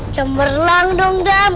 cemerlang dong dam